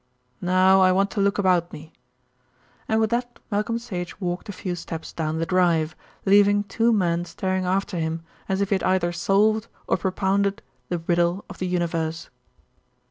Now I want to look about me," and with that Malcolm Sage walked a few steps down the drive, leaving two men staring after him as if he had either solved or propounded the riddle of the universe.